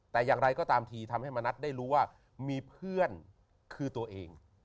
แต่อย่างไรก็ตามทีทำให้มณัฐได้รู้ว่ามีเพื่อนคือตัวเอง